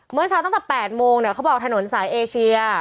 เมื่อเช้าตั้งแต่๘โมงเนี่ยเขาบอกถนนสายเอเชีย